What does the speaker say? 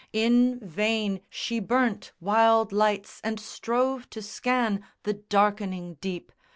In vain she burnt wild lights and strove to scan The darkening deep.